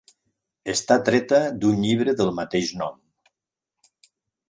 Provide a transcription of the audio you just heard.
Està treta d'un llibre del mateix nom.